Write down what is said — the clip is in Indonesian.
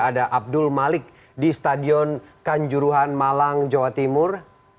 ada abdul malik di stadion kanjuruhan malang jawa timur